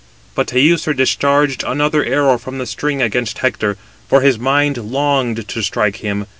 But Teucer discharged another arrow from the string against Hector, for his mind longed to strike him.